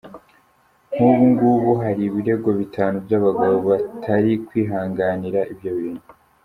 Nk’ubu ngubu hari ibirego bitanu by’abagabo batari kwihanganira ibyo bintu.